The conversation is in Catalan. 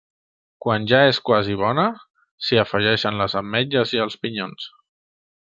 Quan ja és quasi bona, s’hi afegeixen les ametlles i els pinyons.